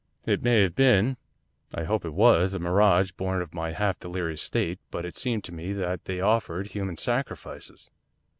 It may have been I hope it was, a mirage born of my half delirious state, but it seemed to me that they offered human sacrifices.